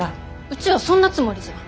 うちはそんなつもりじゃ。